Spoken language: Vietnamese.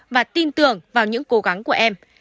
và tin tưởng vào những cố gắng của em